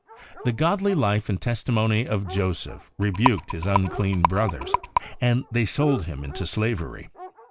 The godly life and testimony of Joseph rebuked his unclean brothers, and they sold him into slavery.